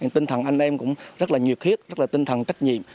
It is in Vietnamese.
tinh thần anh em cũng rất là nhiệt huyết rất là tinh thần trách nhiệm